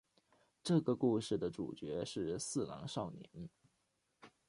这个故事的主角是四郎少年。